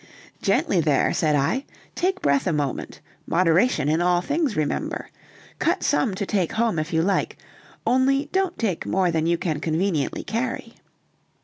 "Gently there," said I, "take breath a moment, moderation in all things, remember. Cut some to take home if you like, only don't take more than you can conveniently carry."